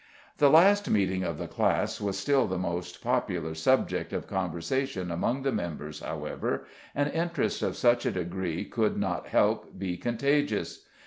The last meeting of the class was still the most popular subject of conversation among the members, however, and interest of such a degree could not help be contagious.